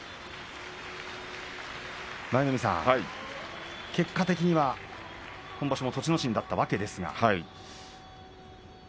舞の海さん、結果的には今場所も栃ノ心だったわけですが。